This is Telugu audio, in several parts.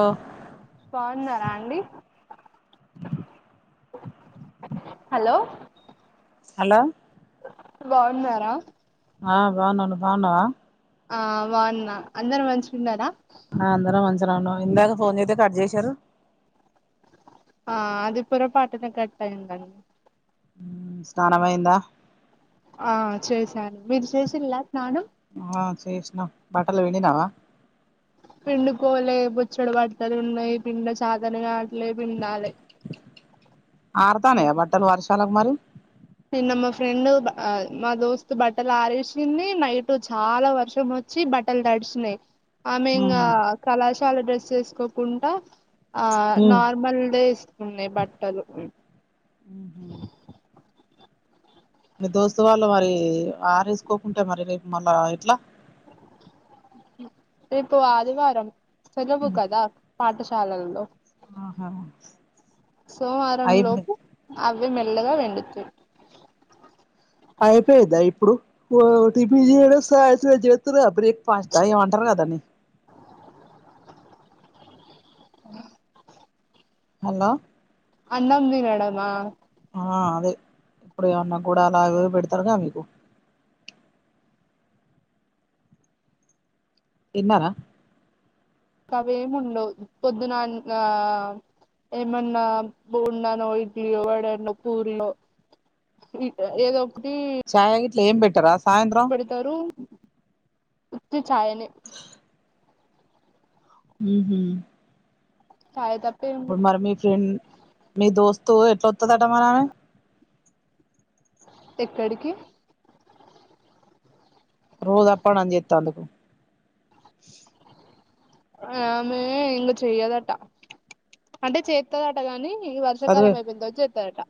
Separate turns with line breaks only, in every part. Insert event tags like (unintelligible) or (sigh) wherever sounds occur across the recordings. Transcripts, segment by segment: ఆ
బాగున్నారా అండి
హ్
హలో
హలో
బాగున్నారా
ఆ బాగున్నాం నువ్ బాగున్నవా.
ఆ బాగున్నా అందరు మంచిగున్నారా.
ఆ అందరం మంచిగనే ఉన్నం ఇందాక ఫోన్ చేత్తె కట్ చేశారు.
ఆ అది పోరపాటున కట్టయిందండి.
ఊ స్నానమైందా
ఆ చేశాను మీరుచేశిన్లా స్నానం.
ఆ చేశినా బట్టలు పిండినావా.
పిండుకోలే బోచ్చెడు బట్టలున్నాయి పిండ చాతనగాట్.
ఆర్తానయా బట్టలు వర్షాలక్ మరి
నిన్న మా ఫ్రెండు ఆ మా దోస్తు బట్టలారేశిందీ నైటు చాలా వర్షమొచ్. చ్చి బట్టల్ తడిశినయి ఆమె ఇంగా
ఉమ్
కళాశాల డ్రెస్ ఎసుకోకుంటా ఆ
ఉహు
నార్మల్ దే ఏస్. కుంది బట్టలు
మీ దోస్తు వాళ్ళు మరి ఆరేసుకోకుంటే మరి రేపు మళ్ళా ఎట్లా
రేపు ఆదివారం సెలవు కదా పాఠశాలల్లో
ఆహా
సోమవారం
అయి
లోపు అవి మెల్లగా ఎండుతయి
అయిపోయిద్దా ఇప్పుడు ఓ తిండి తినుడే సాయంత్రం చేత్తుర్రు గా బ్రేక్ ఫాస్టా ఎమో అంట్ టరుగా కాదనే హల్లో
అన్నమ్ తినడమా
ఆ అదే ఇప్పుడు ఏమన్నా గుడాలో అవేవో పెడతారుగా మీకు తిన్నారా
ఆవేముండవు పొద్దునన్న ఆ ఏమన్నా బోండనో ఇడ్లియో వడనో పూరియో ఇట్ ఏదో ఒకటి
చాయగిట్ల ఏం పెట్టారా సాయంత్రం
పెడ్తారు ఉత్తి చాయనే
ఉహు
చాయ్ తప్ప ఏం
ఇప్పుడు మరి మీ ఫ్రెండ్ మీ దోస్తు ఎట్లొత్తదాట మరి ఆమె
ఎక్కడికి
రోజు అప్ప డౌన్ చేత్తందకు
ఆమె ఇంగ చెయ్యదటా అంటే చేత్ చెత్తదాట గాని ఈ వర్షాకాలం
చదువే
అయిపోయిన తర్వాత చెత్తదాట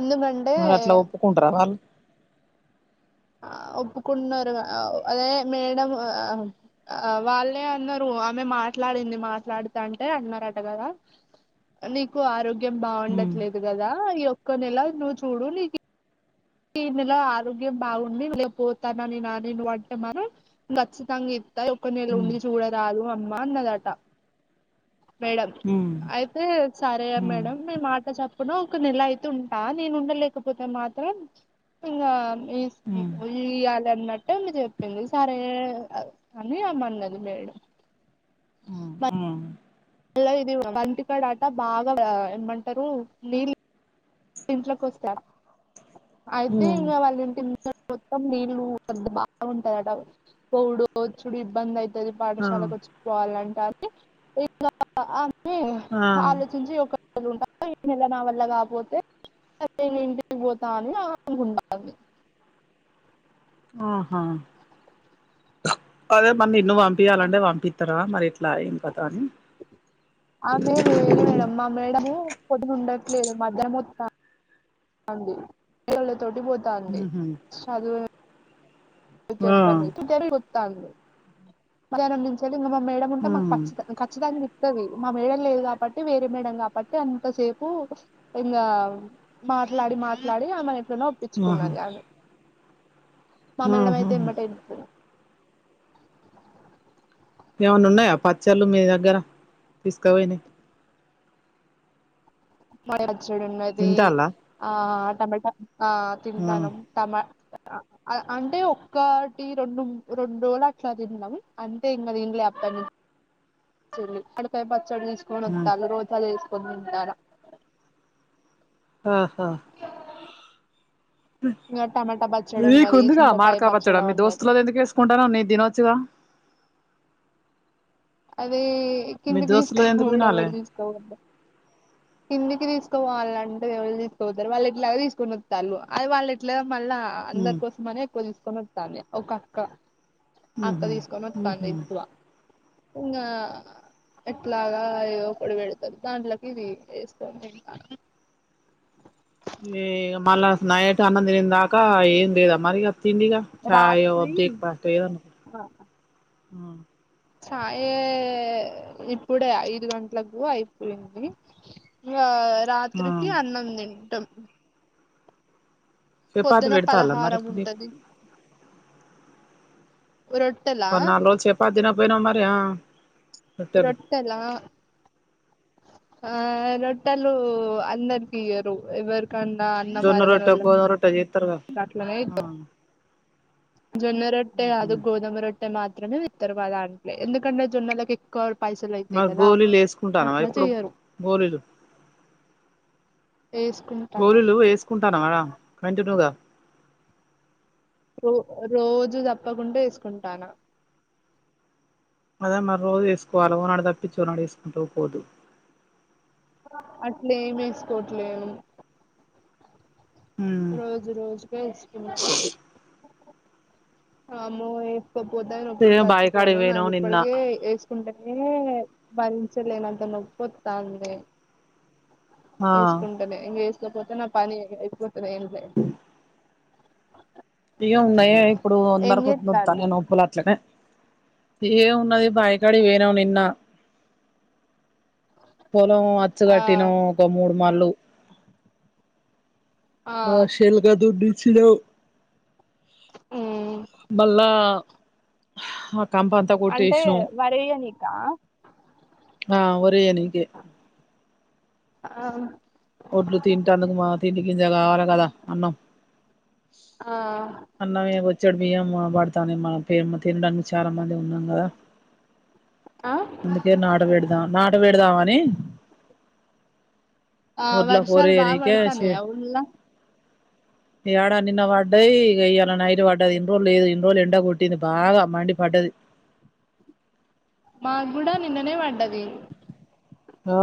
ఎందుకన్
మరి అట్లా ఒప్పుకుంటరా వాళ్ళు
ఆ ఒప్పుకున్నర్ గావ్ అదే మేడం ఆ ఆ వాళ్ళే అన్నరు ఆమె మాట్లాడింది మాట్లాడుతంటే అన్నారట గదా నీకు ఆరోగ్యం
ఉమ్
బాగుండట్లేదు కదా ఈ ఒక్క నెల నువ్వు చూడు నీకు ఈ నెల ఆరోగ్యం బాగుండి లేకపోతానని అని నువ్వు అంటే మరి ఖచ్చితంగా ఒక్క నెల
ఉమ్
ఉండి చూడరాదు అమ్మా అన్నదట మేడం
ఉమ్
అయితే సరే
ఉమ్
మేడం మీ మాట చప్పున ఒక నెల అయితే ఉంటా నేను ఉండలేకపోతే మాత్రం ఇంగ మీ ఇస్
ఉమ్
ఇయ్యాలిన్నట్టే ఆమె చెప్పింది సరే అని ఆమె మన్నది మేడం
ఆ
మళ్ళ ఇది బంతికడట బాగా ఏమంటారు నీళ్ళ ఇంట్లోకి వస్తా
ఉమ్
అయితే
ఉమ్
ఇంకా వాళ్ళంటి మొత్తం నీళ్ళలు వద్ద బాగుంటదిట పోవుడు వచ్చుడు ఇబ్బంది అయి ది
ఆ
పాఠశాలకు వచ్చి పోవాలంటే అది ఇలా అని
ఆ
ఆలోచించి ఒకళు ఉంటారు ఈ నెల నా వల్ల కాపోతే సరే నేను ఇంటికి పోతా అని ఆమె అనుకుంటాంది
ఆహా అదే మన్న నిన్ను పంపియాలంటే పంపిస్తారా మరి లాయింగ్ కథాని
ఆమె వేరే మేడం మా మేడము పొద్దున ఉండట్లేదు మధ్యాహ్నం వత్తంది అలో తోటి పోతాంది
ఉహు
చదు
ఆ
చెప్పనీకి మధ్యాహ్నం నుంచేళ్లి ఇంకా మా మేడం ఉంటే మాకు
ఉమ్
కచ్చి కచ్చితంగ వతది మా మేడమ్ లేదు కాబట్టి వేరే మేడం కాబట్టి అంతసేపు ఇంకా మాట్లాడి మాట్లాడి ఆమె ఇంట్లోనే
ఆహా
ఒప్పిచుకున్నది ఆమె మా మేడం
ఆహా
అయితే ఎమ్మటే ఇడుస్తాది
ఏమన్న ఉన్నాయా పచ్చళ్ళు మీ దగ్గర తీసుకపోయినాయి
(unintelligible) ఉన్నది
తింటాల్లా
ఆ టమాటా ఆ
ఆ
తింటానం టమా అ అ అంటే ఒక్కటి రెండు రెండు రోజలు అట్లా తిన్నాం అంతే ఇంకా తినలే అక్కడినుం చేలి అక్కడి పై పచ్చడి తీసుకొని
ఆ
వత్తళ్ళు రోజాలు తిసుకొని తింటన్న
ఆహా
ఇంగ టమాటా పచ్చడి ఉన్నది
నీకుందిగా
చింతకాయ
మాడికాయ పచ్చడి మీ
ఉన్నది
దోస్తులది ఎందుకు ఏసుకుంటాన్నవ్ నీది తినొచ్చుదా
అదే
మీ
కిందికి
దోస్తులది ఎందుకు తినాలే
తీసుకోడబడి తీసుకోవద్దు కిందికి తీసుకో పోవాలంటే ఎవళ్ళు తీసుకుపోతారు వాళ్ళు ఎట్లాగో తీసుకొని వత్తళ్ళు అది వాళ్ళ ఎట్లా మళ్ళా అందరి కోసం అనే ఎక్కువ తీసుకొని వత్తంది ఒక అక్క ఆ అక్క తీసుకొని వత్తాంది ఎక్కువ ఇంగా ఎట్లాగా ఏదో ఒకటి పెడతారు దాంట్లోకి ఇది ఎసుకొని తింట
ఎ మళ్ళా నైట్ అన్నం తినేదాకా ఏం లేదా మరి ఇగ తిందిగా చాయో
రాత్రి
బ్రేక్ఫాస్ట్ ఏదనా
చాయే ఇప్పుడే ఐదు గంటలకు అయిపోయింది ఇంగ
ఆ
రాత్రికి అన్నం తింటం
చపాతీ
పొద్దున
పెడతాల్లా మరి
పలహారం
ఇప్పుడు మీకు
ఉంటది ఒరో
మరి నాలుగు రోజులు చపాతీ తినకపోయినా మరి ఆ రొట్టెలు
రొట్టేలా ఆ రొట్టేలు అందరికి ఇయ్యరు ఎవరికన్నా అన్న అరగనోళ్ళ
ఒక రొట్టె చేత్తరుగా
అట్లనే
ఆ
ఇత్తరు జొన్న రొట్టె కాదు గోదమ రొ ట్టె మాత్రమే ఇత్తారు మా దాంట్లో ఎందుకంటే జొన్నలకు ఎక్కువ పైసలు అయితాయి
మరి
కదా
గోళీలు వేసుకుంటానవా
అట్లా
ఇప్పుడు
చెయ్యరు
గోళీలు
ఎసుకుం
గోలీలు ఏసుకుంటున్నావా రా కంటిన్యూగా
రో రోజు తప్పకుండా ఎసుకుంటాన్నా
అదే మరి రోజు ఏసుకోవాల ఓనాడు తప్పించి ఓనాడు ఏసుకుంటూ పోదు
అట్లేం ఎసుకోట్లేను రోజు రోజుకే ఏసుకున్నా అమ్మో ఏసుకోపోతే నొప్పులకి
ఇగ బాయికాడికి
చచ్చిపోను నాకి
పోయినాం నిన్న
ఇప్పటికే ఏసు కుంటేేనే భరించలేనంత నొప్పి వత్తాంది
ఆ
ఏసుకుంటేనే ఇంగ ఏసుకోపోతే నా పని అయిపోతది ఏంలే
ఇగ ఉన్నాయే ఇప్పుడు
ఏం
అందరికు
చేత్తాలు
ఒత్తున్నాయి నోప్పులు అట్లనే ఏం ఉన్నది బాయి కాడ ఎనావ్ నిన్న పొలం అచ్చు
ఆ
కట్టినం ఒక మూడు మళ్ళు ఆ శెల్కా దుడ్డు ఇచ్చినవ్
మ్మ్
మళ్ళా హా కంపం
అంటే వరి ఎనికా
ఆ వరి ఎనికే
ఆ
ఒడ్లు తింటాను మా దీనికింత కావాలి కదా అన్నం
ఆ
అన్నము వచ్చాడు బియ్యం పడతానే మేమ తినడానికి చాలా మంది ఉన్నాం కదా
ఆ
నీకే నాడ పెడదాం నాడ పెడదాం అని
ఆ
గుడ్ల కూర
వర్షాలు బాగా
చేయనీకే చే
పడతాన్నాయా ఊర్లా
ఏడ నిన్న పడ్డయి ఇవాళ నైట్ పడ్డది లిబో లేదు లిబో లేడా కొట్టింది బాగా మండి పడ్డది
మాకు కూడా నిన్ననే పడ్డది
ఆ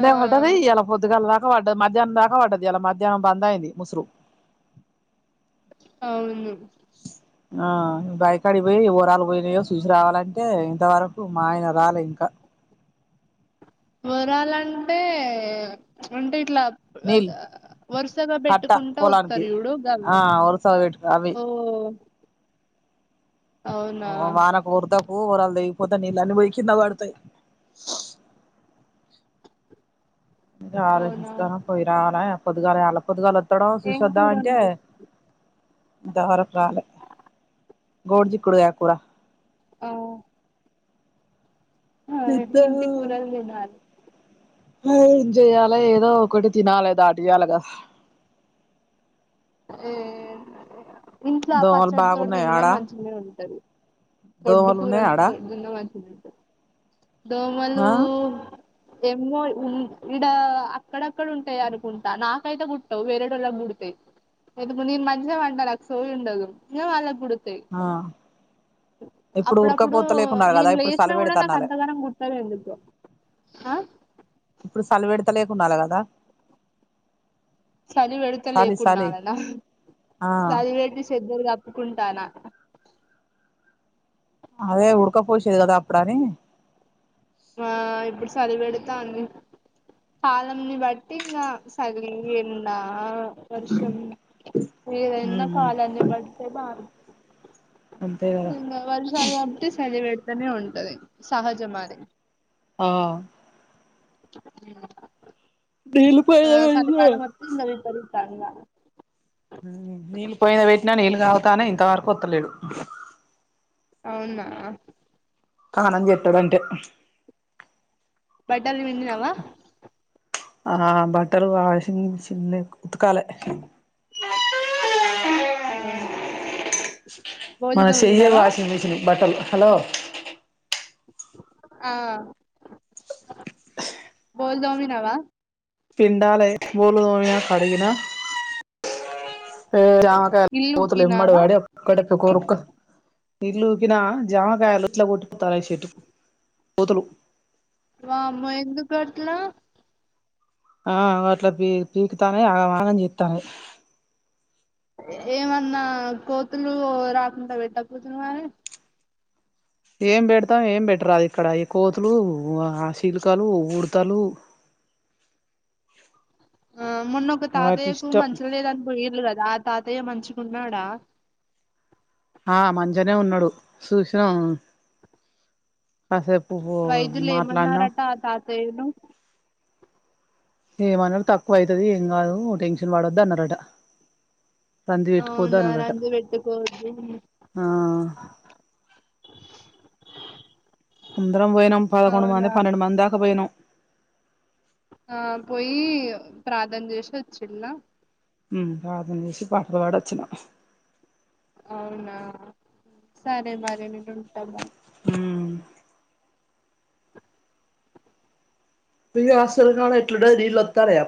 ఆ
పడ్డది ఇయల పొద్దుగాల దాకా పడ్డది మధ్యాహ్నం దాకా పడ్డది ఇయల మధ్యాహ్నం బంద్ అయింది ముసురు
అవును
ఆ బయకాడి పోయి వరాలు ఉదయం చూసి రావాలంటే ఇంతవరకు మా ఆయన రాలేదు ఇంకా
వరాలంటే అంటే ఇట్లా
నీళ్ళు
వరుసగా
కట్ట
పెట్టుకుంటా
పొలానికి
వస్తారు చూడు
ఆ
గాళ్లు
వరుస పెట్టు అవి
ఓ అవునా
వానకు వరదకు వరల్ తెగిపోతే నీళ్లు అన్ని పోయి కింద పడతాయి ఇకా
అవునా
ఆలోచిస్తున్న పోయి రావాలా పొదుగాల అళ్ళ పొదుగాల ఎక్కడో
ఏం కూర
చూసొవద్దామంటే అంటే
వండిర్రు
దేవరంలా గోడి చిక్కుడుకాయ కూర
ఓ హాయ్ ఇంటి కూరలు తివాలి
ఏం చెయ్యాలో ఏదో ఒకటి తినాలే దాటియాలేగా
ఏ ఇంట్లో ఆ
దోమలు
పచ్చడితో
బాగున్నాయి
తిన్నా
ఆడ
మంచిగానే ఉంటంది ఎడ్డి
దోమలు ఉన్నాయి
కూరల
ఆడ
తోటి ఉన్న మంచిగా ఉంటది దోమలు
ఆ
ఏమో ఇడ అక్కడక్కడ ఉంటాయి అనుకుంటా నాకైతే గుట్టవు వేరేడుోళ్ళకి గుడతాయి ఎందు నీ మంచిగా వండాల నాకు సోయ ఉండదు వాళ్ళ కుడుతై
ఆ ఇప్పుడు
అప్పుడప్పుడు
ఉరకపోత లేకున్నారు కదా
నేను
ఇప్పుడు సలి
లేచినా కూడా నాకు
పెడతన్నాలే
అంతగా గుట్ట లేదు ఆ
ఇప్పుడు సలవేడతలేకు ఉండాలి కదా
చలివెడత
సాలి
లేకుండా
సాలి
లానా
ఆ
చలివెట్టి సేతురు కప్పుకుంటానా
అదే ఉడక పోసేది కదా అప్పుడ అని
ఆ ఇప్పుడు చలి పెడతాంది కాలంని బట్టి ఇంకా సర్వింగ్ నా వర్షం ఏదైనా కాలన్ని బట్టే బరు
అంతే కదా
ఇంక వర్షాలు పడితే చలిపేడుతూనే ఉంటది సహజం అది
ఆ నీళ్ళు
ఆ
పోయిన పెట్టిన
చలికాలము ఇంకా రిండ్ల పళ్ళ
నీళ్ళు పోయి పెట్టినా నీళ్ళు కాగతాన్నా ఇంతవరకు వత్తలేడు
అవునా
ఆనం చెత్తాడంటే
బట్టలు పిండినావా
ఆ బట్టలు వాషింగ్ మిషిన్ ఉతకాలే
ఆ
మన చెయ్యే వాషింగ్ మెషన్ బట్టలు హలో
ఆ (inaudible) బోల్దోమీనావా
పిండాలే బోకులు తోమిన కడిగిన (inaudible) మ్మ్ జామకాయలు
ఇల్లు
కోతులు ఎమ్మట
ఉకినావా
పడి ఒక్కొక్కటి కొరుక్క నీళ్లు ఊకిన జామకాయలు ఇట్లా కొట్టిపోతారు చెట్టు కోతులు
వామ్మో ఎందుకు కొడుతున్నావ్
ఆ అట్లా పీ పీకుతానే ఆగమాగం చెత్తాంది
ఏమన్నా కోతులు రాకుండా పెట్టకపోతే మరి
ఏం పెడతాం ఏం పెట్టరాదు ఇక్కడ ఈ కోతులు ఆ చిలుకలు ఉడుతలు
ఆ మొన్న ఒక
వాటి
తాతయ్యకు
ఇష్టం
మంచిగా లేదని పోయిండు కదా ఆ తాతయ్య మంచిగా ఉన్నాడా
ఆ మంచిగనే ఉన్నాడు చూసినాం కాసేపు గు మాట్లాడినాం
(unintelligible) టం
ఏమన్నారు తక్కువైతది ఏం కాదు టెన్షన్ పడద్దు అన్నారట రంది పెట్టుకోవద్దు
అవునా
అన్నారట
రంగు పెట్టుకోవద్దు
ఆ అందరం పోయినాం పదకొండు
అవునా
మంది పన్నెండు మంది దాకా పోయినాం
ఆ పోయి ప్రార్థన చేసి వచ్చిండా
ఉమ్ ప్రార్థన చేసి పాటలు పాడొచ్చినాం
అవునా సరే మరి నేను ఉంటాను
మ్మ్ ఫుల్ ఆశ్చర్యంగా ఉంది ఎట్లున్నాయ్ నీళ్లు వత్తన్నాయా